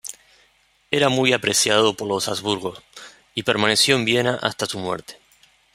Era muy apreciado por los Habsburgo, y permaneció en Viena hasta su muerte.